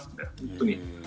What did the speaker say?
本当に。